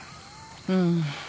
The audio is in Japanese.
うん。